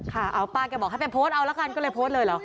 ค่ะป้าแกบอกให้ไปโพสต์ก็เลยโพสต์เลยเหรอ